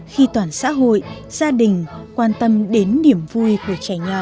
khi toàn xã hội gia đình quan tâm đến niềm vui của trẻ nhỏ